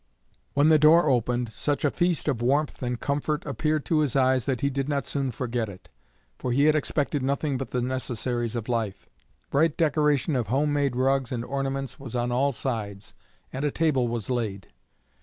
When the door opened such a feast of warmth and comfort appeared to his eyes that he did not soon forget it, for he had expected nothing but the necessaries of life. Bright decoration of home made rugs and ornaments was on all sides, and a table was laid.